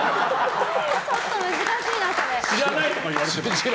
ちょっと難しいな。